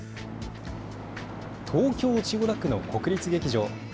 東京千代田区の国立劇場。